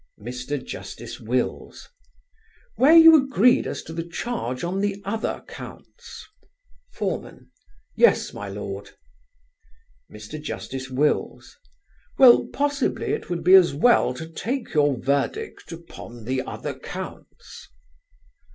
Mr. Justice Wills: "Were you agreed as to the charge on the other counts?" Foreman: "Yes, my Lord." Mr. Justice Wills: "Well, possibly it would be as well to take your verdict upon the other counts."